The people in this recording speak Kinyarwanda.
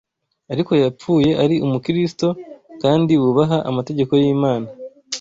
Ariko yapfuye ari Umukristo kandi wubaha amategeko y’Imana.